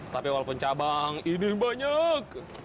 tapi walaupun cabang ini banyak